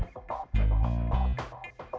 nanti kita jalan jalan dulu